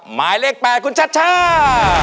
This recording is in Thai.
หมายเลข๘คุณชัชชา